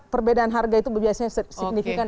perbedaan harga itu biasanya signifikan